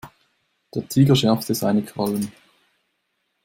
Der Tiger schärfte seine Krallen.